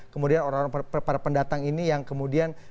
kemudian orang orang para pendatang ini yang kemudian